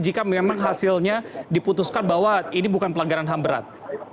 jika memang hasilnya diputuskan bahwa ini bukan pelanggaran ham berat